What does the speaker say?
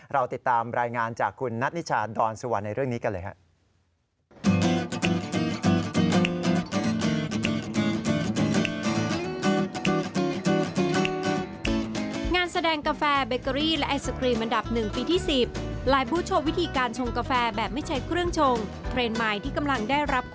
เราติดตามรายงานจากคุณนัทนิชาดอนสุวรรณในเรื่องนี้กันเลยครับ